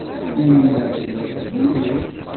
Yamina tella tettmurud.